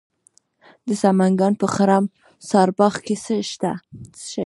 د سمنګان په خرم سارباغ کې څه شی شته؟